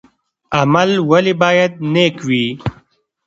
عمل ولې باید نیک وي؟